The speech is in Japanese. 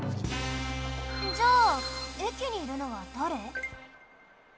じゃあえきにいるのはだれ？